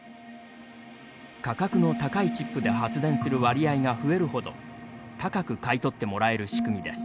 価格の高いチップで発電する割合が増えるほど高く買い取ってもらえる仕組みです。